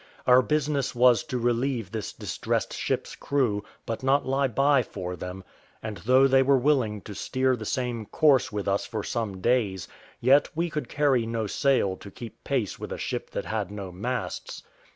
Our business was to relieve this distressed ship's crew, but not lie by for them; and though they were willing to steer the same course with us for some days, yet we could carry no sail to keep pace with a ship that had no masts.